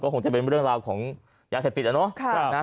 คงจะเป็นเรื่องราวของยาเสพติดอะเนาะ